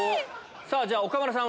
さぁじゃあ岡村さん